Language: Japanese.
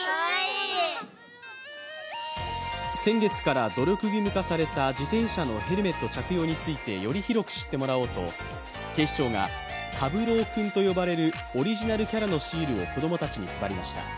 先月から努力義務化された自転車のヘルメット着用についてより広く知ってもらおうと警視庁がかぶろくんと呼ばれるオリジナルキャラのシールを子供たちに配りました。